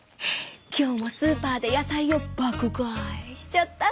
今日もスーパーで野菜を「爆買い」しちゃった！